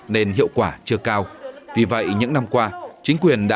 nên hiệu quả chưa cao vì vậy những năm qua chính quyền đã tích cực